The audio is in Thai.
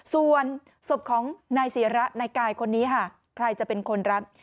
ส่วนศพของนายศิระนายกายคนนี้ค่ะใครจะเป็นคนรับ